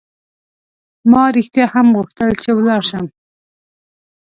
ما رښتیا هم غوښتل چې ولاړ شم.